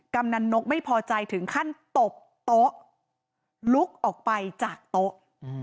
กำนันนกไม่พอใจถึงขั้นตบโต๊ะลุกออกไปจากโต๊ะ